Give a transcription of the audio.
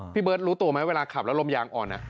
พี่เบิร์ตรู้ตัวไหมเวลาขับแล้วลมยางอ่อนนะ